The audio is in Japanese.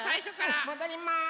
うんもどります。